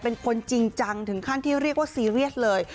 เป็นคนจริงจังถึงขั้นที่เรียกว่าซีเรียสเลย